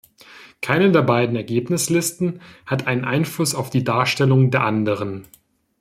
Keine der beiden Ergebnislisten hat einen Einfluss auf die Darstellung der anderen.